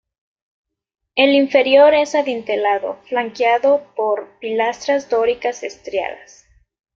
El inferior es adintelado flanqueado por pilastras dóricas estriadas.